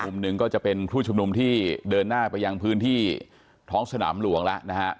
หนึ่งก็จะเป็นผู้ชุมนุมที่เดินหน้าไปยังพื้นที่ท้องสนามหลวงแล้วนะฮะ